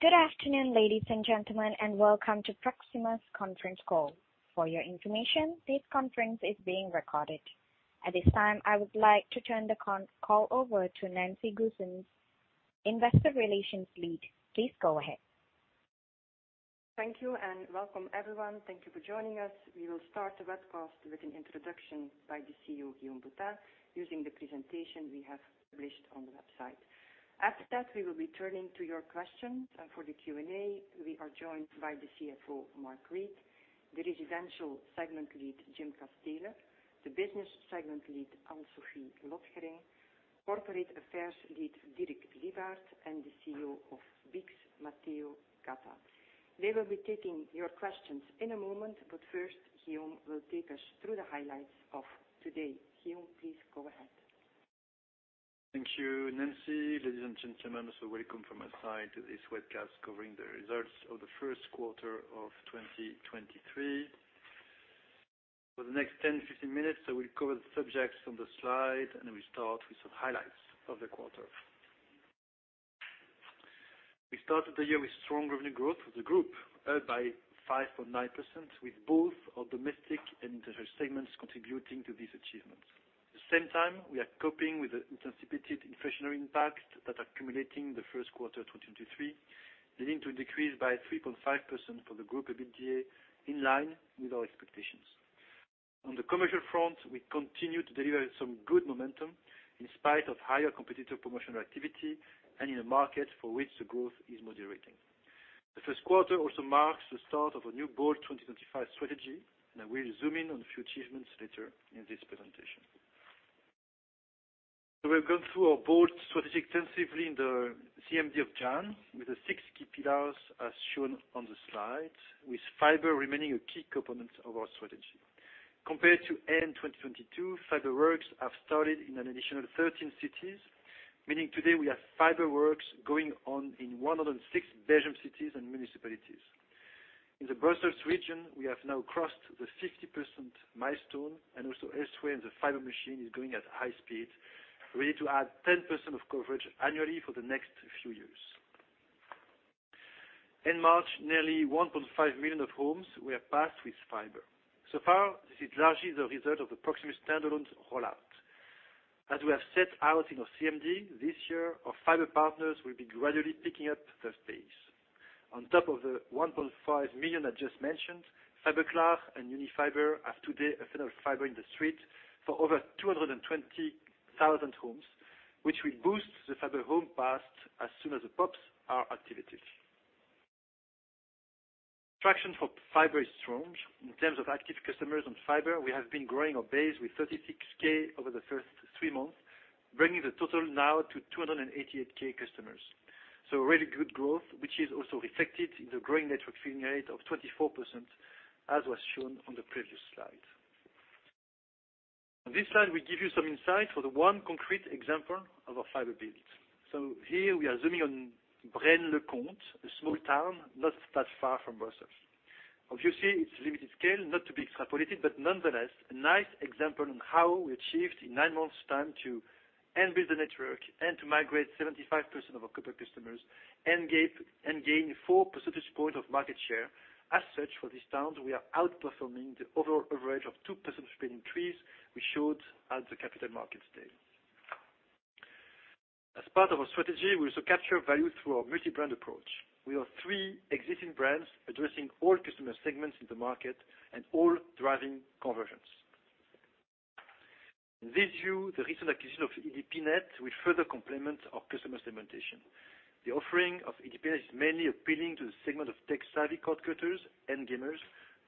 Good afternoon, ladies and gentlemen, and welcome to Proximus conference call. For your information, this conference is being recorded. At this time, I would like to turn the con-call over to Nancy Goossens, Investor Relations Lead. Please go ahead. Thank you and welcome everyone. Thank you for joining us. We will start the webcast with an introduction by the CEO, Guillaume Boutin, using the presentation we have published on the website. After that, we will be turning to your questions. For the Q&A, we are joined by the CFO, Mark Reid, the residential segment lead, Jim Casteele, the business segment lead, Anne-Sophie Lotgering, corporate affairs lead, Dirk Lybaert, and the CEO of BICS, Matteo Gatta. They will be taking your questions in a moment, but first, Guillaume will take us through the highlights of today. Guillaume, please go ahead. Thank you, Nancy. Ladies and gentlemen, welcome from my side to this webcast covering the results of the first quarter of 2023. For the next 10, 15 minutes, I will cover the subjects on the slide. We start with some highlights of the quarter. We started the year with strong revenue growth for the group, earned by 5.9%, with both our domestic and international segments contributing to this achievement. At the same time, we are coping with the anticipated inflationary impact that accumulating the first quarter 2023, leading to a decrease by 3.5% for the group EBITDA, in line with our expectations. On the commercial front, we continue to deliver some good momentum in spite of higher competitive promotional activity. In a market for which the growth is moderating. The first quarter also marks the start of a new Bold 2025 strategy. I will zoom in on a few achievements later in this presentation. We have gone through our Bold strategy extensively in the CMD of Jan, with the six key pillars as shown on the slide, with fiber remaining a key component of our strategy. Compared to end 2022, fiber works have started in an additional 13 cities, meaning today we have fiber works going on in 106 Belgian cities and municipalities. In the Brussels region, we have now crossed the 60% milestone and also S-way. The fiber machine is going at high speed, ready to add 10% of coverage annually for the next few years. In March, nearly 1.5 million homes were passed with fiber. So far, this is largely the result of the Proximus standalone rollout. As we have set out in our CMD this year, our fiber partners will be gradually picking up the pace. On top of the 1.5 million I just mentioned, Fiberklaar and Unifiber have today a final fiber in the street for over 220,000 homes, which will boost the fiber home passed as soon as the POPs are activated. Traction for fiber is strong. In terms of active customers on fiber, we have been growing our base with 36k over the first three months, bringing the total now to 288k customers. Really good growth, which is also reflected in the growing network churn rate of 24%, as was shown on the previous slide. On this slide, we give you some insight for the one concrete example of a fiber build. Here we are zooming on Braine-le-Comte, a small town not that far from Brussels. Obviously, it's limited scale, not to be extrapolated, but nonetheless, a nice example on how we achieved in nine months' time to end build the network and to migrate 75% of our copper customers and gain four percentage point of market share. As such, for this town, we are outperforming the overall average of 2% spinning churn we showed at the capital markets day. As part of our strategy, we also capture value through our multi-brand approach. We have three existing brands addressing all customer segments in the market and all driving conversions. In this view, the recent acquisition of edpnet will further complement our customer segmentation. The offering of edpnet is mainly appealing to the segment of tech-savvy cord cutters and gamers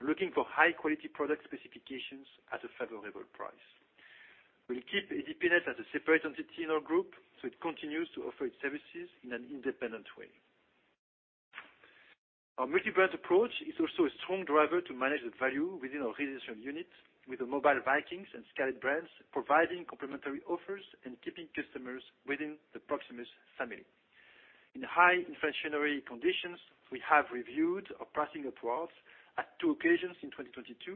looking for high-quality product specifications at a favorable price. We'll keep edpnet as a separate entity in our group, so it continues to offer its services in an independent way. Our multi-brand approach is also a strong driver to manage the value within our residential unit with the Mobile Vikings and Scarlet brands providing complimentary offers and keeping customers within the Proximus family. In high inflationary conditions, we have reviewed our pricing upwards at two occasions in 2022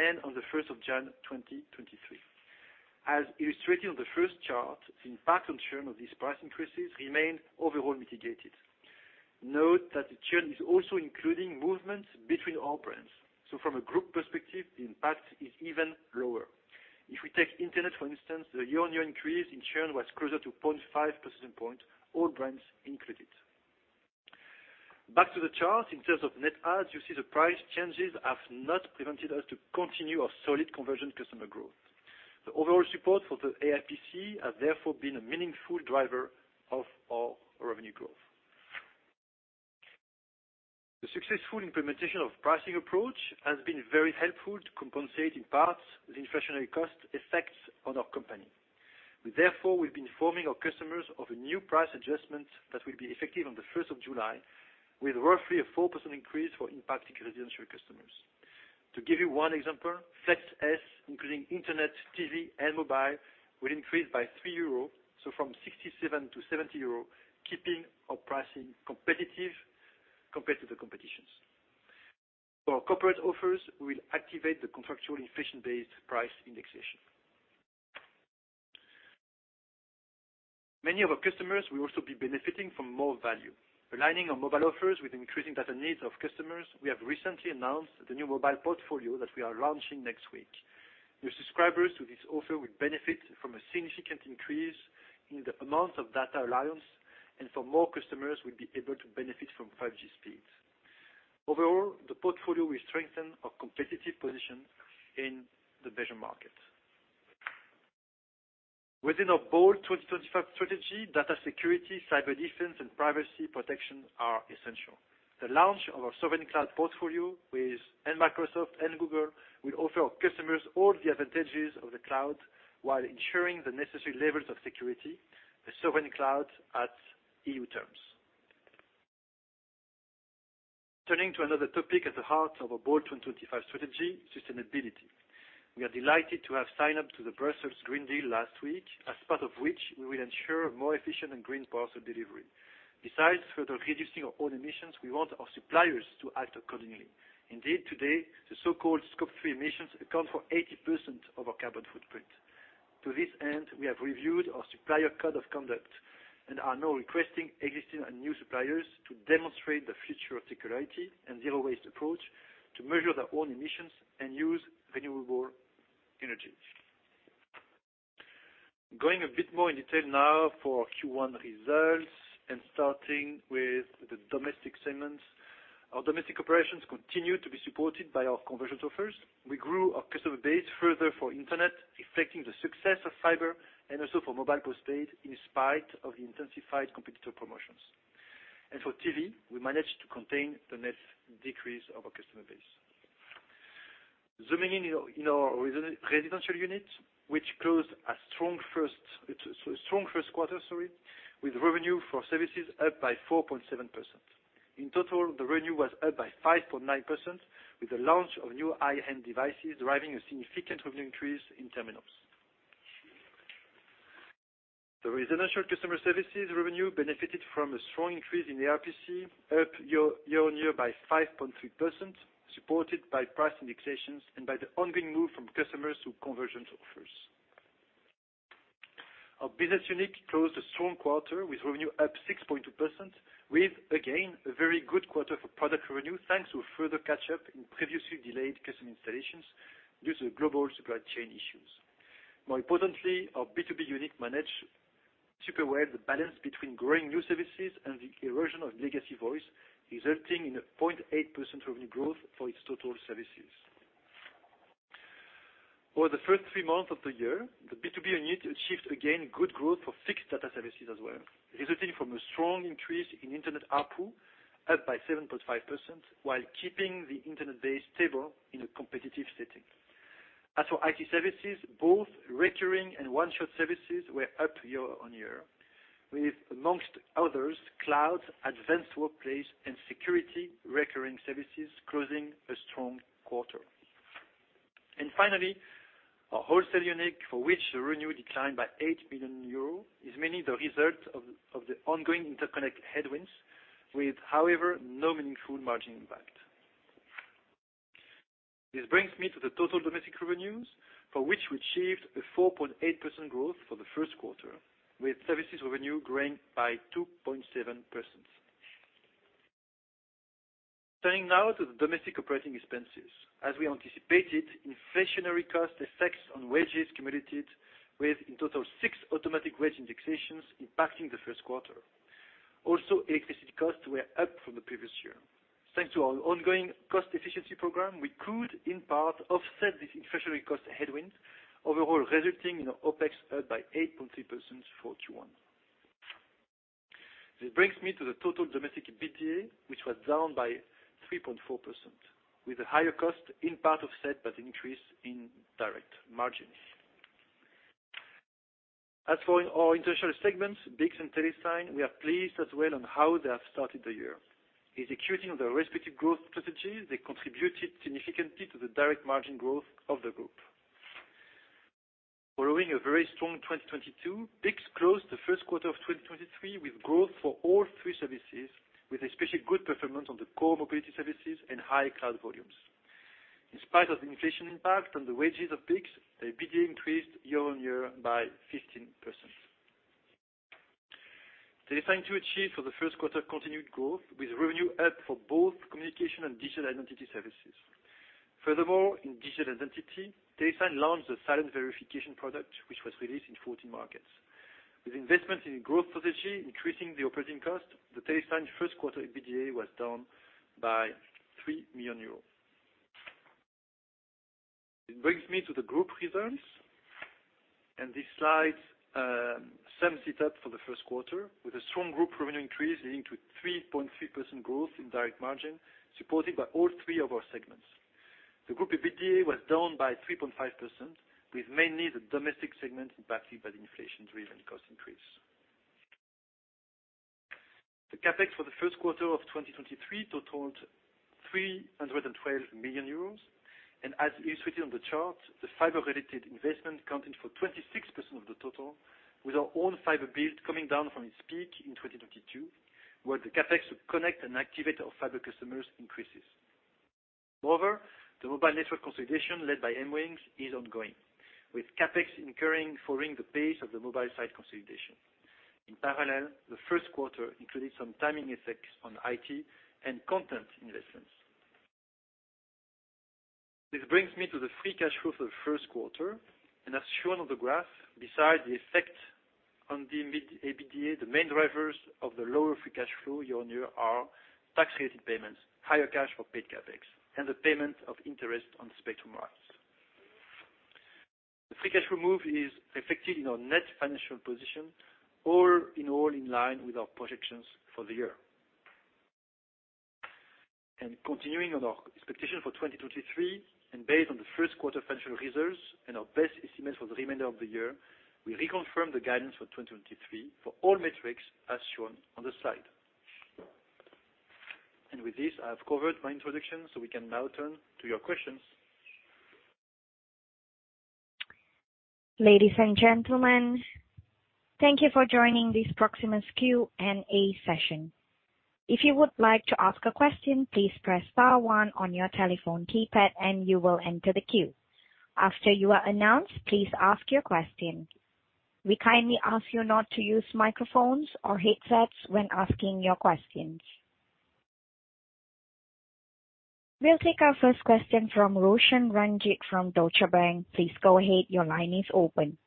and on the 1st of January 2023. As illustrated on the first chart, the impact on churn of these price increases remained overall mitigated. Note that the churn is also including movements between our brands. From a group perspective, the impact is even lower. If we take Internet, for instance, the year-on-year increase in churn was closer to 0.5 percent point, all brands included. Back to the chart. In terms of net adds, you see the price changes have not prevented us to continue our solid conversion customer growth. The overall support for the ARPC has therefore been a meaningful driver of our revenue growth. The successful implementation of pricing approach has been very helpful to compensate in part the inflationary cost effects on our company. We've been informing our customers of a new price adjustment that will be effective on the first of July, with roughly a 4% increase for impacting residential customers. To give you one example, Flex S, including Internet, TV, and mobile, will increase by 3 euro, so from 67 to 70 euro, keeping our pricing competitive compared to the competitions. For our corporate offers, we'll activate the contractual inflation-based price indexation. Many of our customers will also be benefiting from more value. Aligning our mobile offers with increasing data needs of customers, we have recently announced the new mobile portfolio that we are launching next week. New subscribers to this offer will benefit from a significant increase in the amount of data allowance, and for more customers will be able to benefit from 5G speeds. Overall, the portfolio will strengthen our competitive position in the Belgium market. Within our Bold 2025 strategy, data security, cyber defense, and privacy protection are essential. The launch of our sovereign cloud portfolio with Microsoft and Google will offer our customers all the advantages of the cloud while ensuring the necessary levels of security, a sovereign cloud at EU terms. Turning to another topic at the heart of our Bold 2025 strategy, sustainability. We are delighted to have signed up to the Brussels Green Deal last week, as part of which we will ensure more efficient and green parcel delivery. Besides further reducing our own emissions, we want our suppliers to act accordingly. Indeed, today, the so-called Scope 3 emissions account for 80% of our carbon footprint. To this end, we have reviewed our supplier code of conduct and are now requesting existing and new suppliers to demonstrate the future of circularity and zero waste approach to measure their own emissions and use renewable energy. Going a bit more in detail now for our Q1 results and starting with the domestic segments. Our domestic operations continue to be supported by our conversion offers. We grew our customer base further for internet, effecting the success of fiber and also for mobile postpaid in spite of the intensified competitor promotions. For TV, we managed to contain the net decrease of our customer base. Zooming in our residential unit, which closed a strong first quarter, sorry, with revenue for services up by 4.7%. In total, the revenue was up by 5.9% with the launch of new high-end devices, driving a significant revenue increase in terminals. The residential customer services revenue benefited from a strong increase in ARPC, up year-on-year by 5.3%, supported by price indexations and by the ongoing move from customers to conversion offers. Our business unit closed a strong quarter with revenue up 6.2%, with again, a very good quarter for product revenue, thanks to a further catch up in previously delayed custom installations due to global supply chain issues. More importantly, our B2B unit managed to prevail the balance between growing new services and the erosion of legacy voice, resulting in a 0.8% revenue growth for its total services. Over the first three months of the year, the B2B unit achieved again good growth for fixed data services as well, resulting from a strong increase in internet ARPU up by 7.5% while keeping the internet base stable in a competitive setting. As for IT services, both recurring and one-shot services were up year-on-year, with amongst others, clouds, advanced workplace, and security recurring services closing a strong quarter. Finally, our wholesale unit for which the revenue declined by 8 million euros is mainly the result of the ongoing interconnect headwinds with, however, no meaningful margin impact. This brings me to the total domestic revenues, for which we achieved a 4.8% growth for the first quarter, with services revenue growing by 2.7%. Turning now to the domestic operating expenses. We anticipated, inflationary cost effects on wages cumulated with in total six automatic wage indexations impacting the first quarter. Electricity costs were up from the previous year. Thanks to our ongoing cost efficiency program, we could in part offset this inflationary cost headwind, overall resulting in our OPEX up by 8.3% for Q1. This brings me to the total domestic EBITDA, which was down by 3.4%, with a higher cost in part offset by the increase in direct margins. For our international segments, BICS and Telesign, we are pleased as well on how they have started the year. Executing on their respective growth strategies, they contributed significantly to the direct margin growth of the group. Following a very strong 2022, BICS closed the first quarter of 2023 with growth for all three services, with especially good performance on the core mobility services and high cloud volumes. In spite of the inflation impact on the wages of BICS, the EBITDA increased year-on-year by 15%. Telesign too achieved for the first quarter continued growth with revenue up for both communication and digital identity services. Furthermore, in digital identity, Telesign launched the Silent Verification product, which was released in 14 markets. With investments in growth strategy increasing the operating cost, the Telesign first quarter EBITDA was down by EUR 3 million. It brings me to the group results. This slide sums it up for the first quarter with a strong group revenue increase leading to a 3.3% growth in direct margin, supported by all three of our segments. The group EBITDA was down by 3.5%, with mainly the domestic segment impacted by the inflation-driven cost increase. The CapEx for the first quarter of 2023 totaled 312 million euros. As illustrated on the chart, the fiber-related investment accounting for 26% of the total, with our own fiber build coming down from its peak in 2022, where the CapEx to connect and activate our fiber customers increases. Moreover, the mobile network consolidation led by MWingz is ongoing, with CapEx incurring following the pace of the mobile site consolidation. In parallel, the first quarter included some timing effects on IT and content investments. This brings me to the free cash flow for the first quarter, and as shown on the graph, besides the effect on the mid-EBITDA, the main drivers of the lower free cash flow year-on-year are tax-related payments, higher cash for paid CapEx, and the payment of interest on spectrum rights. The free cash flow move is effective in our net financial position, all in all in line with our projections for the year. Continuing on our expectation for 2023 and based on the first quarter financial results and our best estimates for the remainder of the year, we reconfirm the guidance for 2023 for all metrics as shown on the slide. With this, I have covered my introduction, so we can now turn to your questions. Ladies and gentlemen, thank you for joining this Proximus Q&A session. If you would like to ask a question, please press star one on your telephone keypad and you will enter the queue. After you are announced, please ask your question. We kindly ask you not to use microphones or headsets when asking your questions. We'll take our first question from Roshan Ranjit from Deutsche Bank. Please go ahead. Your line is open.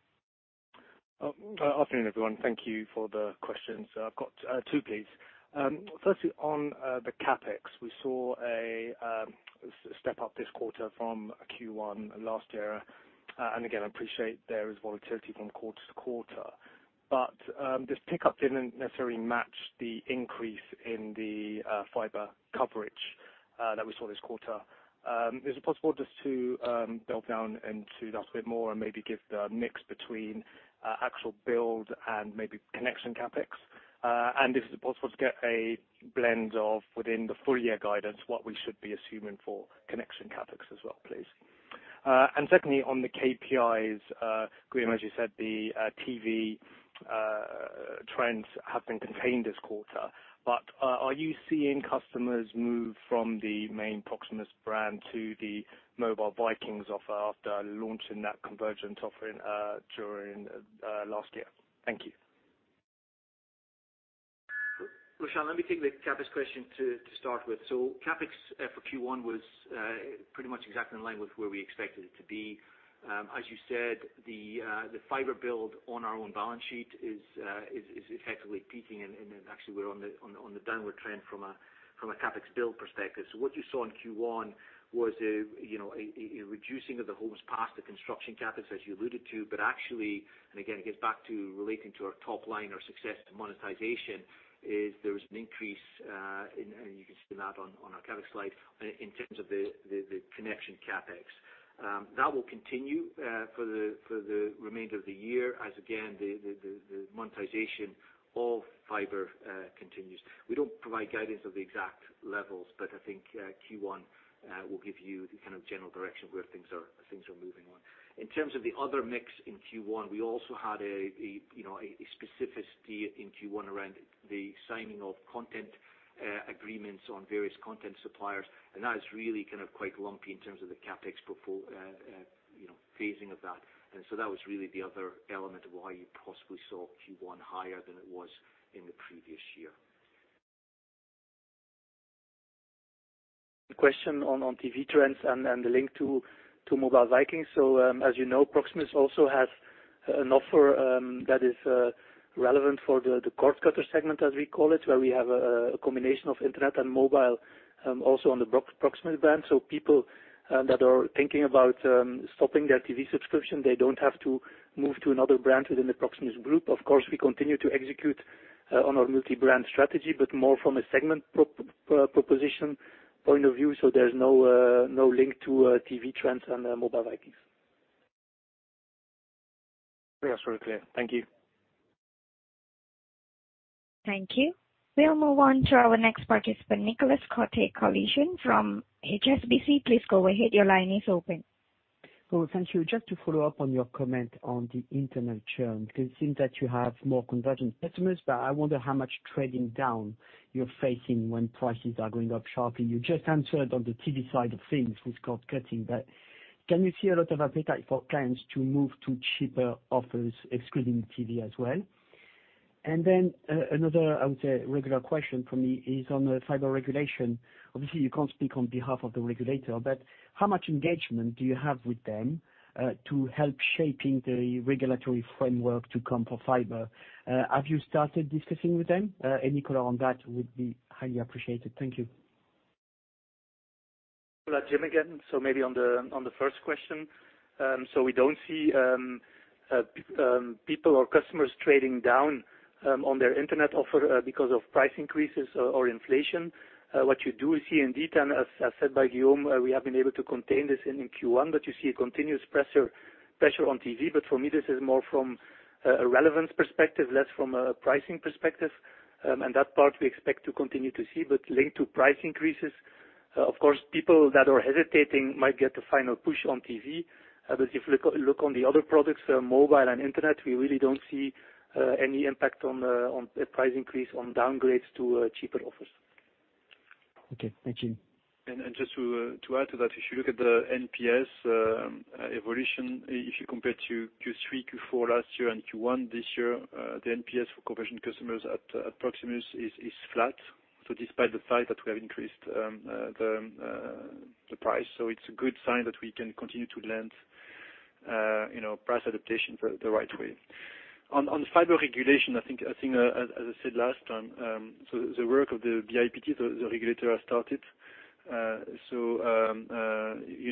Afternoon, everyone. Thank you for the questions. I've got 2, please. Firstly, on the CapEx, we saw a step up this quarter from Q1 last year. Again, I appreciate there is volatility from quarter to quarter. This pickup didn't necessarily match the increase in the fiber coverage that we saw this quarter. Is it possible just to build down into that a bit more and maybe give the mix between actual build and maybe connection CapEx? Is it possible to get a blend of within the full year guidance, what we should be assuming for connection CapEx as well, please? Secondly, on the KPIs, Guillaume, as you said, the TV trends have been contained this quarter. Are you seeing customers move from the main Proximus brand to the Mobile Vikings offer after launching that convergent offering during last year? Thank you. Roshan, let me take the CapEx question to start with. CapEx for Q1 was pretty much exactly in line with where we expected it to be. As you said, the fiber build on our own balance sheet is effectively peaking. Actually we're on the downward trend from a CapEx build perspective. What you saw in Q1 was a, you know, a reducing of the homes passed the construction CapEx, as you alluded to. Actually, and again, it gets back to relating to our top line, our success to monetization, is there is an increase in, and you can see that on our CapEx slide, in terms of the connection CapEx. That will continue for the remainder of the year as again, the monetization of fiber continues. We don't provide guidance of the exact levels, but I think Q1 will give you the kind of general direction where things are, things are moving on. In terms of the other mix in Q1, we also had a specificity in Q1 around the signing of content agreements on various content suppliers. That is really kind of quite lumpy in terms of the CapEx phasing of that. That was really the other element of why you possibly saw Q1 higher than it was in the previous year. Question on TV trends and the link to Mobile Vikings. As you know, Proximus also has an offer that is relevant for the cord cutter segment, as we call it, where we have a combination of internet and mobile, also on the Proximus brand. People that are thinking about stopping their TV subscription, they don't have to move to another brand within the Proximus group. Of course, we continue to execute on our multi-brand strategy, but more from a segment proposition point of view. There's no link to TV trends and Mobile Vikings. That's really clear. Thank you. Thank you. We'll move on to our next participant, Nicolas Cote-Colisson from HSBC. Please go ahead. Your line is open. Oh, thank you. Just to follow up on your comment on the internet churn, because it seems that you have more convergent customers, but I wonder how much trading down you're facing when prices are going up sharply. You just answered on the TV side of things with cord cutting. Can you see a lot of appetite for clients to move to cheaper offers, excluding TV as well? Then, another, I would say, regular question from me is on the fiber regulation. Obviously, you can't speak on behalf of the regulator, but how much engagement do you have with them to help shaping the regulatory framework to come for fiber? Have you started discussing with them? Any color on that would be highly appreciated. Thank you. Jim again. Maybe on the, on the first question. We don't see people or customers trading down on their internet offer because of price increases or inflation. What you do see indeed, and as said by Guillaume, we have been able to contain this in Q1, but you see a continuous pressure on TV. For me, this is more from a relevance perspective, less from a pricing perspective. That part we expect to continue to see. Linked to price increases, of course, people that are hesitating might get the final push on TV. If you look on the other products, mobile and internet, we really don't see any impact on the price increase on downgrades to cheaper offers. Okay. Thank you. Just to add to that, if you look at the NPS evolution, if you compare to Q3, Q4 last year and Q1 this year, the NPS for corporation customers at Proximus is flat. Despite the fact that we have increased the price. It's a good sign that we can continue to lend, you know, price adaptation the right way. On fiber regulation, I think, as I said last time, the work of the BIPT, the regulator started. You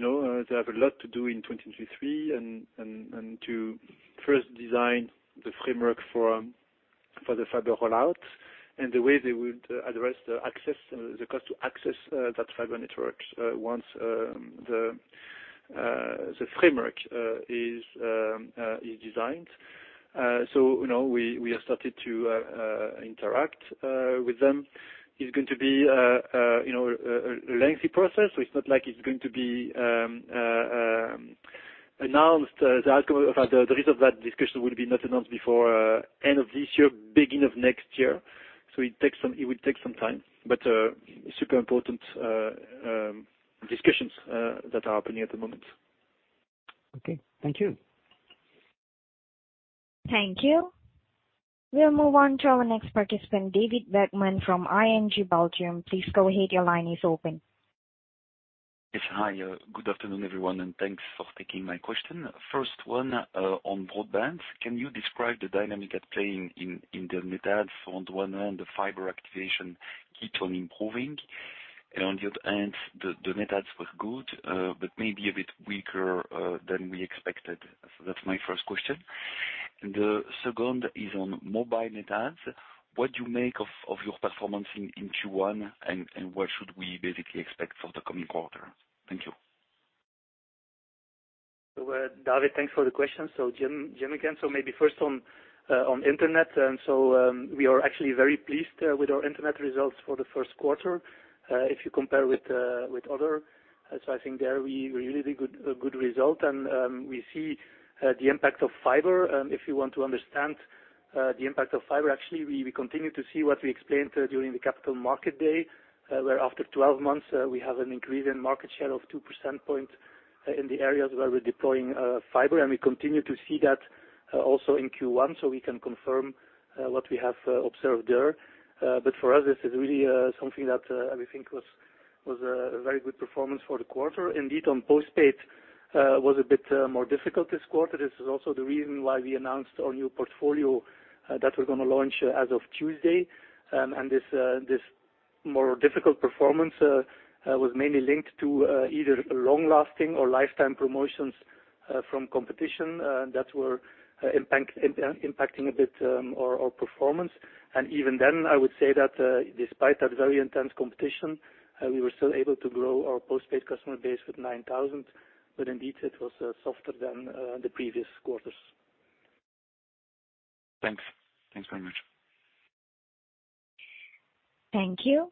know, they have a lot to do in 2023 and to first design the framework for the fiber rollout and the way they would address the access, the cost to access that fiber network, once the framework is designed. You know, we have started to interact with them. It's going to be a, you know, a lengthy process. It's not like it's going to be announced. The outcome of that, the result of that discussion will be not announced before end of this year, beginning of next year. It would take some time, but super important discussions that are happening at the moment. Okay. Thank you. Thank you. We'll move on to our next participant, David Vagman from ING Belgium. Please go ahead. Your line is open. Yes. Hi. Good afternoon, everyone, and thanks for taking my question. First one, on broadband. Can you describe the dynamic at play in the net adds? On the one hand, the fiber activation keep on improving. On the other hand, the net adds were good, but maybe a bit weaker than we expected. That's my first question. The second is on mobile net adds. What do you make of your performance in Q1, and what should we basically expect for the coming quarter? Thank you. David, thanks for the question. Jim again. Maybe first on internet. We are actually very pleased with our internet results for the first quarter, if you compare with other. I think there we really did a good result. We see the impact of fiber. If you want to understand the impact of fiber, actually, we continue to see what we explained during the capital market day, where after 12 months, we have an increase in market share of two percentage points in the areas where we're deploying fiber. We continue to see that also in Q1, we can confirm what we have observed there. For us this is really something that we think was a very good performance for the quarter. Indeed, on postpaid, was a bit more difficult this quarter. This is also the reason why we announced our new portfolio that we're gonna launch as of Tuesday. This more difficult performance was mainly linked to either long-lasting or lifetime promotions from competition that were impacting a bit our performance. Even then, I would say that despite that very intense competition, we were still able to grow our postpaid customer base with 9,000. Indeed, it was softer than the previous quarters. Thanks. Thanks very much. Thank you.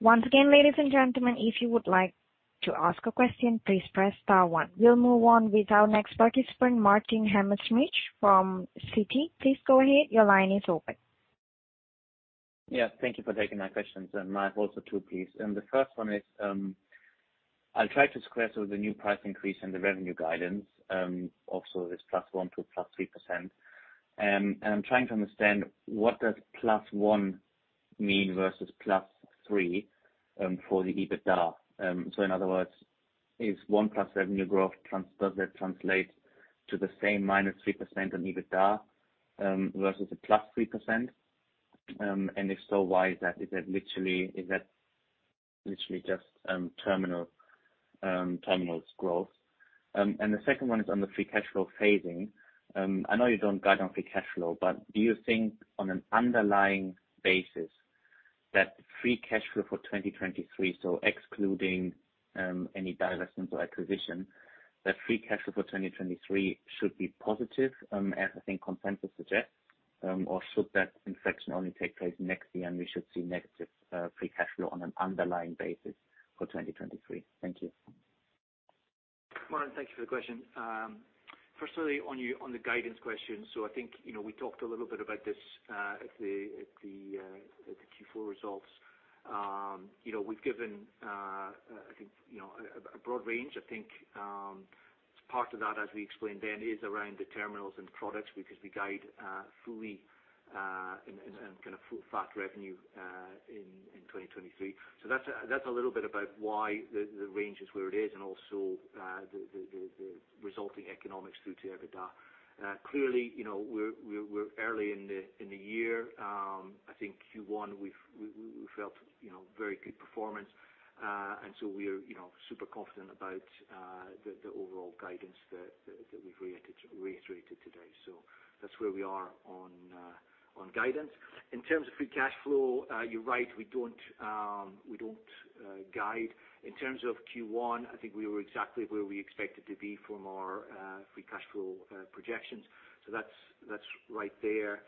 Once again, ladies and gentlemen, if you would like to ask a question, please press star one. We'll move on with our next participant, Martin Hammerschmidt from Citi. Please go ahead. Your line is open. Yeah. Thank you for taking my questions. Mine are also two, please. The first one is, I'll try to square so the new price increase and the revenue guidance, also this +1% to +3%. I'm trying to understand what does +1 mean versus +3 for the EBITDA? In other words, if one plus revenue growth does that translate to the same -3% on EBITDA versus a +3%? If so, why is that? Is that literally just terminals growth? The second one is on the free cash flow phasing. I know you don't guide on free cash flow, do you think on an underlying basis that free cash flow for 2023, so excluding any divestments or acquisition, that free cash flow for 2023 should be positive, as I think consensus suggests? Should that inflection only take place next year, and we should see negative free cash flow on an underlying basis for 2023? Thank you. Martin, thank you for the question. Firstly on your, on the guidance question. I think, you know, we talked a little bit about this at the Q4 results. You know, we've given, I think, you know, a broad range. I think, part of that, as we explained then, is around the terminals and products because we guide fully and kind of full fat revenue in 2023. That's, that's a little bit about why the range is where it is and also the resulting economics through to EBITDA. Clearly, you know, we're, we're early in the year. I think Q1, we felt, you know, very good performance. We're, you know, super confident about the overall guidance that we've reiterated today. That's where we are on guidance. In terms of free cash flow, you're right, we don't, we don't guide. In terms of Q1, I think we were exactly where we expected to be from our free cash flow projections. That's right there.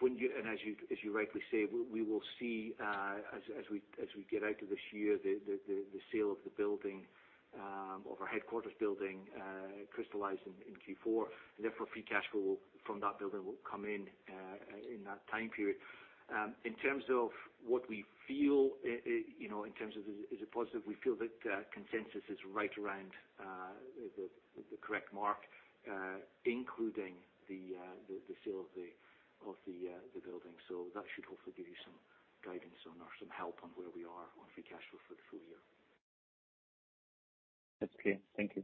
When you, and as you rightly say, we will see, as we get out of this year, the sale of the building, of our headquarters building, crystallizing in Q4, and therefore free cash flow from that building will come in that time period. In terms of what we feel, you know, in terms of is it positive, we feel that consensus is right around the correct mark, including the sale of the building. That should hopefully give you some guidance on or some help on where we are on free cash flow for the full year. That's clear. Thank you.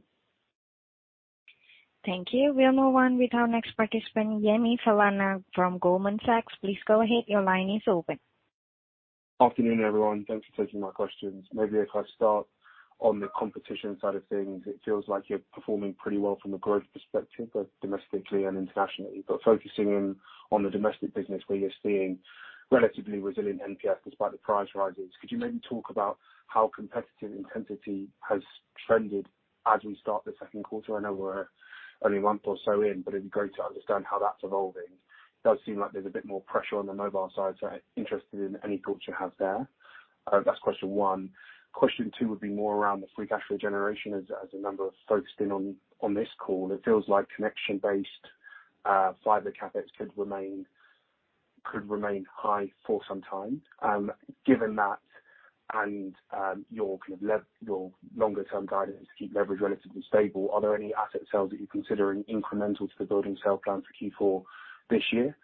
Thank you. We'll move on with our next participant, Yemi Falana from Goldman Sachs. Please go ahead. Your line is open. Afternoon, everyone. Thanks for taking my questions. Maybe if I start on the competition side of things. It feels like you're performing pretty well from a growth perspective, both domestically and internationally. Focusing in on the domestic business where you're seeing relatively resilient NPS despite the price rises, could you maybe talk about how competitive intensity has trended as we start the second quarter? I know we're only a month or so in, but it'd be great to understand how that's evolving. It does seem like there's a bit more pressure on the mobile side, interested in any thoughts you have there. That's question one. Question two would be more around the free cash flow generation. As a number of folks been on this call, it feels like connection-based fiber CapEx could remain high for some time. Given that and your kind of your longer-term guidance to keep leverage relatively stable, are there any asset sales that you're considering incremental to the building sale plans for Q4 this year?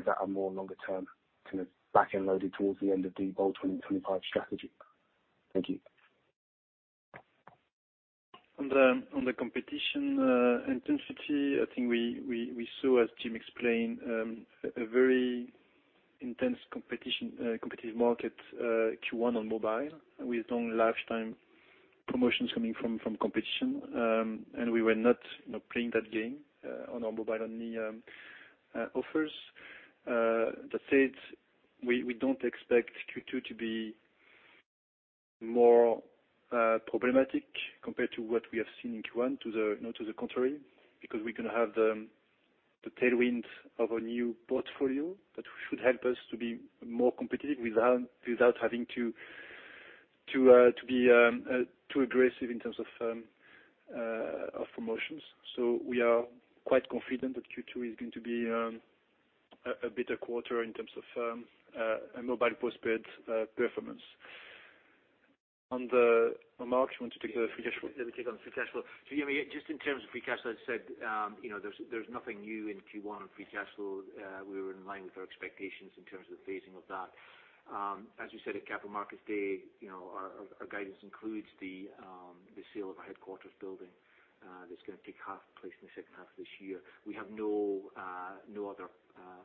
Is that a more longer term, kind of back-end loaded towards the end of the Bold 2025 strategy? Thank you. On the competition intensity, I think we saw, as Jim explained, a very intense competition, competitive market Q1 on mobile with long lifetime promotions coming from competition. We were not, you know, playing that game on our mobile on the offers. That said, we don't expect Q2 to be more problematic compared to what we have seen in Q1 to the, you know, to the contrary, because we're gonna have the tailwind of a new portfolio that should help us to be more competitive without having to be too aggressive in terms of promotions. We are quite confident that Q2 is going to be a better quarter in terms of mobile postpaid performance. On the remarks, you want to take the free cash flow? Let me take on free cash flow. Yemi, just in terms of free cash flow, as I said, you know, there's nothing new in Q1 on free cash flow. We were in line with our expectations in terms of the phasing of that. As you said at Capital Markets Day, you know, our guidance includes the sale of our headquarters building that's gonna take half place in the second half of this year. We have no other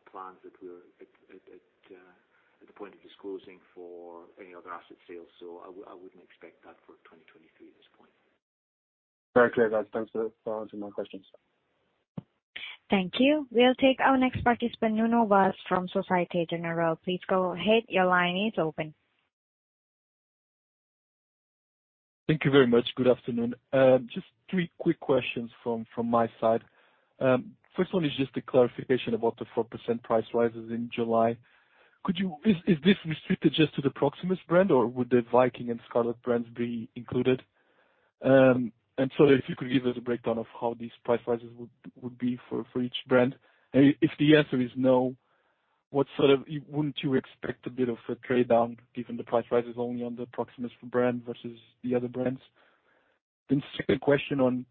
plans that we're at the point of disclosing for any other asset sales. I wouldn't expect that for 2023 at this point. Very clear, guys. Thanks for answering my questions. Thank you. We'll take our next participant, Nuno Vaz from Societe Generale. Please go ahead. Your line is open. Thank you very much. Good afternoon. Just three quick questions from my side. First one is just a clarification about the 4% price rises in July. Is this restricted just to the Proximus brand or would the Viking and Scarlet brands be included? If you could give us a breakdown of how these price rises would be for each brand. If the answer is no, wouldn't you expect a bit of a trade-down given the price rise is only on the Proximus brand versus the other brands? Second question on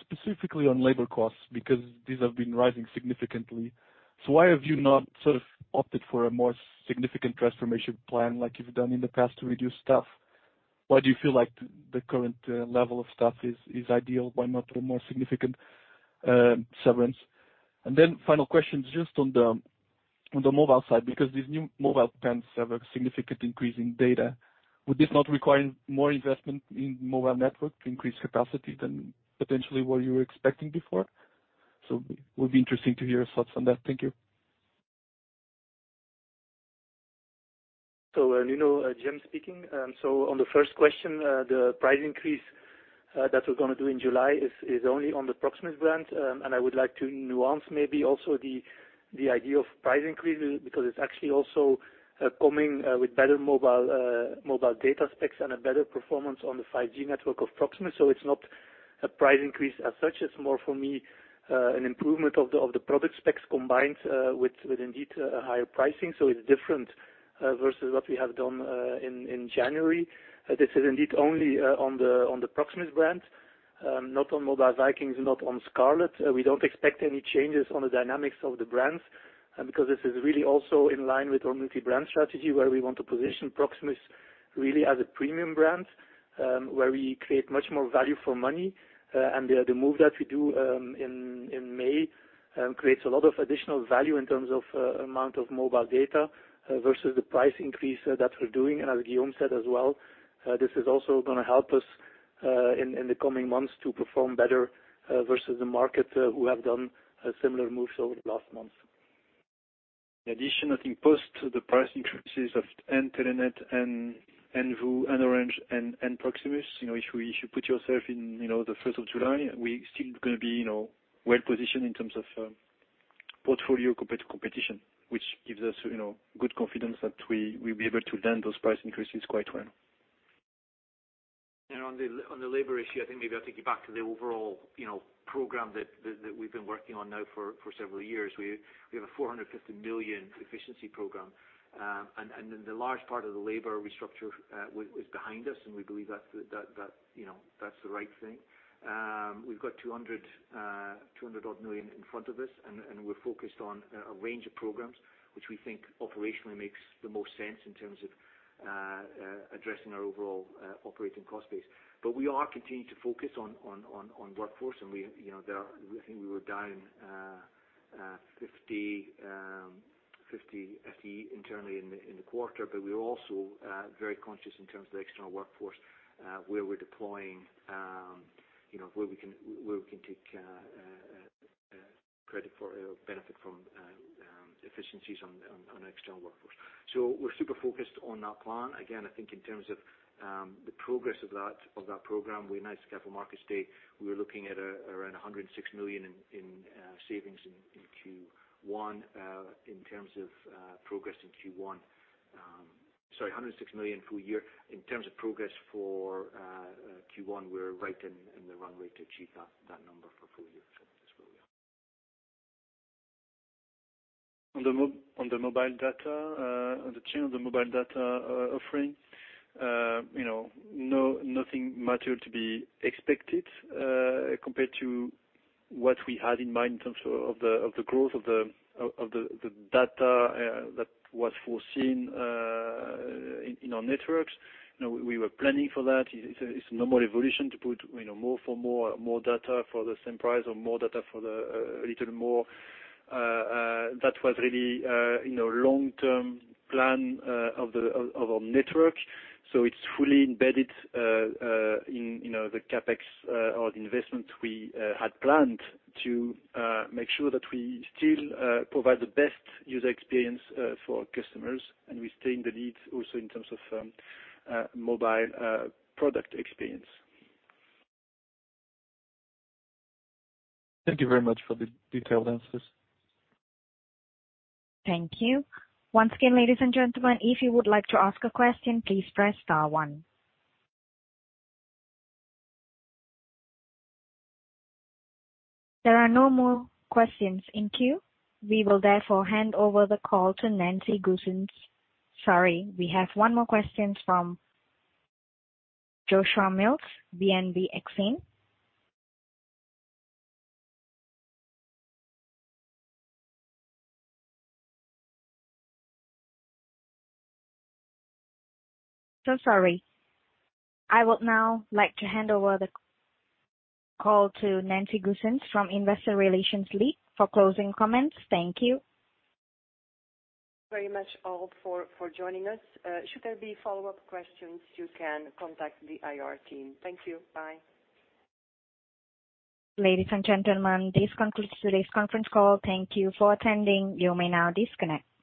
specifically on labor costs, because these have been rising significantly. Why have you not sort of opted for a more significant transformation plan like you've done in the past to reduce staff? Why do you feel like the current level of staff is ideal? Why not a more significant severance? Final question is just on the mobile side, because these new mobile plans have a significant increase in data. Would this not require more investment in mobile network to increase capacity than potentially what you were expecting before? Would be interesting to hear your thoughts on that. Thank you. Nuno, Jim speaking. On the first question, the price increase that we're gonna do in July is only on the Proximus brand. I would like to nuance maybe also the idea of price increase because it's actually also coming with better mobile data specs and a better performance on the 5G network of Proximus. It's not a price increase as such. It's more for me an improvement of the product specs combined with indeed higher pricing. It's different versus what we have done in January. This is indeed only on the Proximus brand, not on Mobile Vikings, not on Scarlet. We don't expect any changes on the dynamics of the brands because this is really also in line with our multi-brand strategy, where we want to position Proximus really as a premium brand where we create much more value for money. The move that we do in May creates a lot of additional value in terms of amount of mobile data versus the price increase that we're doing. As Guillaume said as well, this is also gonna help us in the coming months to perform better versus the market who have done a similar move over the last month. In addition, I think post the price increases of and Telenet, and VOO, and Orange, and Proximus. You know, if you, if you put yourself in, you know, the 1st of July, we still gonna be, you know, well-positioned in terms of portfolio compared to competition, which gives us, you know, good confidence that we'll be able to land those price increases quite well. On the labor issue, I think maybe I'll take you back to the overall, you know, program that we've been working on now for several years. We have a 450 million efficiency program. Then the large part of the labor restructure was behind us, and we believe that's the, you know, that's the right thing. We've got 200 odd million in front of us, and we're focused on a range of programs which we think operationally makes the most sense in terms of addressing our overall operating cost base. We are continuing to focus on workforce and we, you know, there are. I think we were down 50 FTE internally in the quarter. We're also very conscious in terms of the external workforce, where we're deploying, you know, where we can, where we can take credit for benefit from efficiencies on external workforce. We're super focused on that plan. I think in terms of the progress of that program, we announced Capital Markets Day, we were looking at around 106 million in savings in Q1, in terms of progress in Q1. Sorry, 106 million full year. In terms of progress for Q1, we're right in the runway to achieve that number for full year. That's where we are. On the mobile data, on the change of the mobile data offering, you know, nothing material to be expected compared to what we had in mind in terms of the growth of the data that was foreseen in our networks. You know, we were planning for that. It's a normal evolution to put, you know, more for more, more data for the same price or more data for a little more. That was really, you know, long-term plan of our network. It's fully embedded, in, you know, the CapEx, or the investment we had planned to make sure that we still provide the best user experience for our customers, and we stay in the lead also in terms of, mobile, product experience. Thank you very much for the detailed answers. Thank you. Once again, ladies and gentlemen, if you would like to ask a question, please press star one. There are no more questions in queue. We will therefore hand over the call to Nancy Goossens. Sorry, we have one more question from Joshua Mills, BNP Exane. Sorry. I would now like to hand over the call to Nancy Goossens from Investor Relations Lead for closing comments. Thank you. Very much all for joining us. Should there be follow-up questions, you can contact the IR team. Thank you. Bye. Ladies and gentlemen, this concludes today's conference call. Thank you for attending. You may now disconnect.